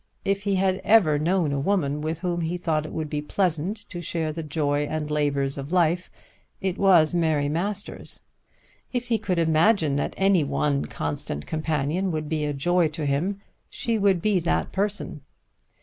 If he had ever known a woman with whom he thought it would be pleasant to share the joy and labours of life, it was Mary Masters. If he could imagine that any one constant companion would be a joy to him, she would be that person.